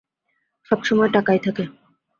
সবসময় টাকাই থাকে।